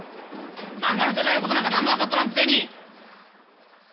まんがの世界のことなんか何も分かっとらんくせに！